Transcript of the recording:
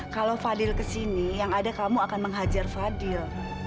kalau fadil kesini yang ada kamu akan menghajar fadil